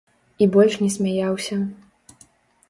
І больш не смяяўся.